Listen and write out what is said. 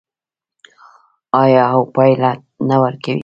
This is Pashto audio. آیا او پایله نه ورکوي؟